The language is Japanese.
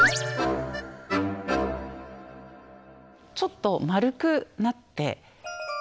ちょっとまるくなって。